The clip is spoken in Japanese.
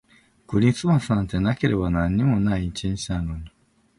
クリスマスなんてなければ何にもない一日なのに